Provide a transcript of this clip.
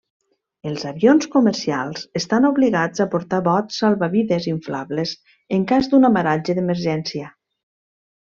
Els avions comercials estan obligats a portar bots salvavides inflables en cas d'un amaratge d'emergència.